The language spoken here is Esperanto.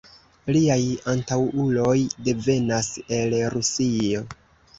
Liaj antaŭuloj devenas el Rusio.